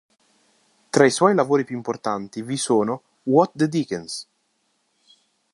Tra i suoi lavori più importanti vi sono "What the Dickens!